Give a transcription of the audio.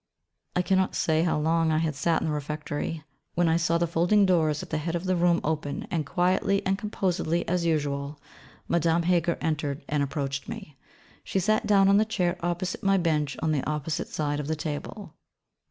I cannot say how long I had sat in the Refectory, when I saw the folding doors at the head of the room open, and quietly and composedly as usual, Madame Heger entered and approached me. She sat down on the chair opposite my bench on the opposite side of the table.